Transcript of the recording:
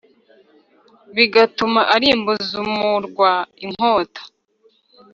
bigatuma arimbuza umurwa inkota.